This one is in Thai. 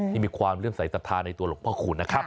ที่มีความเรื่องสายศรัทธาในตัวหลวงพ่อคูณนะครับ